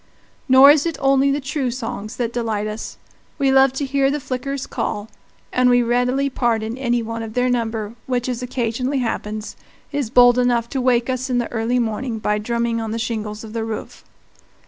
Nor is it only the true songs that delight us. We love to hear the flickers call, and we readily pardon any one of their number which, as occasionally happens, is bold enough to wake us in the early morning by drumming on the shingles of the roof.